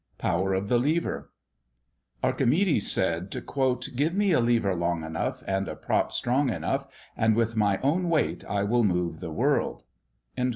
POWER OF THE LEVER. Archimedes said, "Give me a lever long enough, and a prop strong enough, and with my own weight I will move the world."